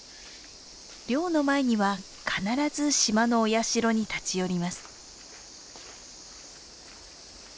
漁の前には必ず島のお社に立ち寄ります。